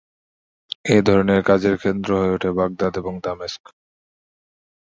এ ধরনের কাজের কেন্দ্র হয়ে উঠে বাগদাদ এবং দামেস্ক।